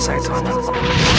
aku gak tau kenapa